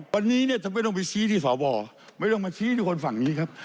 วันนี้จะไม่ต้องไปชี้ที่สบไม่ต้องมาชี้ที่คนฝั่งนี้ครับ